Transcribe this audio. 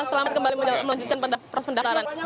selamat kembali melanjutkan pada proses pendaftaran